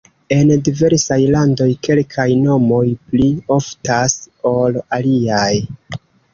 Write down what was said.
En diversaj landoj kelkaj nomoj pli oftas ol aliaj.